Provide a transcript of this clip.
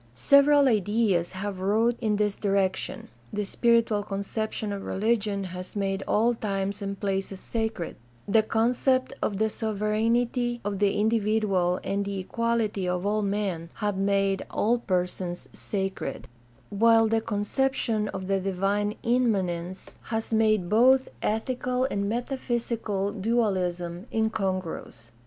Several ideas have wrought in this direction: the spiritual conception of religion has made all times and places sacred ; the concept of the sovereignty of the individual and the equality of all men have made all persons sacred, while the conception of the divine immanence 436 GUIDE TO STUDY OF CHRISTIAN RELIGION has made both ethical and metaphysical dualism incongruous.